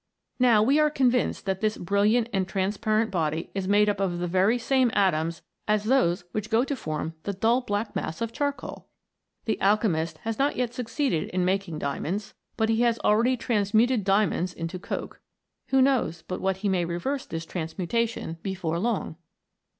Now, we are convinced that this brilliant and transparent body is made up of the very same atoms as those which go to form the dull black mass of charcoal ! The alchemist has not yet succeeded in making dia monds, but he has already transmuted diamonds into coke. Who knows but what he may reverse this transmutation before long